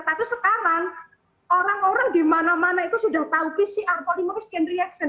tapi sekarang orang orang di mana mana itu sudah tahu pcr polymerase chain reaction